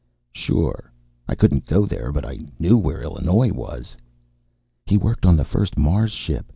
"Sure." I couldn't go there, but I knew where Illinois was. "He worked on the first Mars ship.